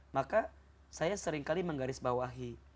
maka saya seringkali menggaris bawahi